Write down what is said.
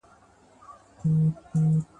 دلته دوږخ هلته دوږخ دی د خوارانو موري ..